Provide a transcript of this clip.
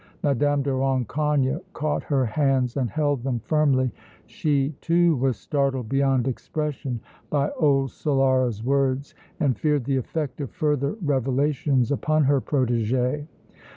Mme. de Rancogne caught her hands and held them firmly; she too was startled beyond expression by old Solara's words and feared the effect of further revelations upon her protégée.